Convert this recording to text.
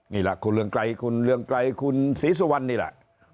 นี่แหละคุณเรืองไกรคุณเรืองไกรคุณศรีสุวรรณนี่แหละ